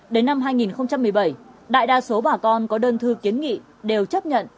đến năm hai nghìn một mươi bảy đại đa số bà con có đơn thư kiến nghị đều chấp nhận